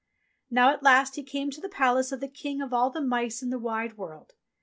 Now at last he came to the palace of the King of all the Mice in the Wide World.